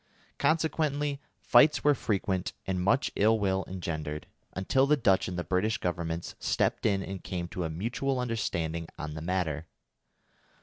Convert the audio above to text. Consequently fights were frequent and much ill will engendered, until the Dutch and the British Governments stepped in and came to a mutual understanding on the matter.